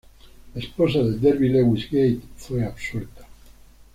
La esposa de Derby-Lewis, Gaye, fue absuelta.